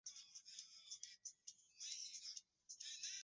Kuchanganywa kwenye kundi kubwa la wanyama